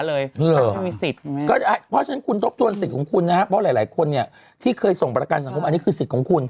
เพราะฉะนั้นคุณทบทวนสิทธิ์ของคุณนะครับเพราะหลายคนเนี่ยที่เคยส่งประกันสังคมอันนี้คือสิทธิ์ของคุณ